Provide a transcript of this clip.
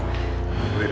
tanti itu sudah selesai